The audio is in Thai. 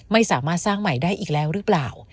ไม่สามารถสร้างใหม่ได้อีกแล้วหรือเปล่า